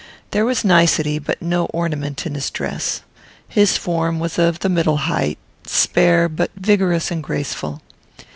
There was nicety but no ornament in his dress. His form was of the middle height, spare, but vigorous and graceful.